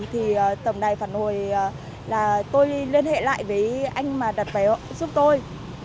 thì tổng đài phản hồi là tôi liên hệ lại với anh mà đặt vé giúp tôi